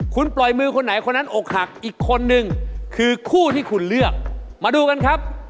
คุณปล่อยมือคนไหนคนนั้นอกหัก